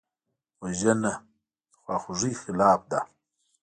وژنه د خواخوږۍ خلاف ده